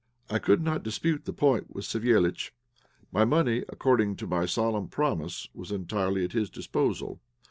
I could not dispute the point with Savéliitch; my money, according to my solemn promise, was entirely at his disposal.